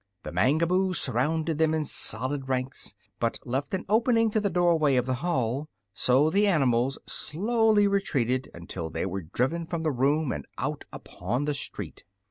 The Mangaboos surrounded them in solid ranks, but left an opening to the doorway of the hall; so the animals slowly retreated until they were driven from the room and out upon the street.